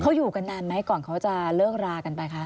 เขาอยู่กันนานไหมก่อนเขาจะเลิกรากันไปคะ